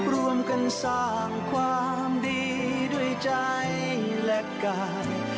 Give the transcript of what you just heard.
รวมกันสร้างความดีด้วยใจและกาย